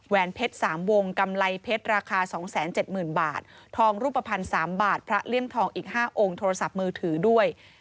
เพชร๓วงกำไรเพชรราคา๒๗๐๐๐บาททองรูปภัณฑ์๓บาทพระเลี่ยมทองอีก๕องค์โทรศัพท์มือถือด้วย